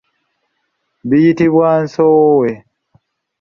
Buyitibwa nsowe.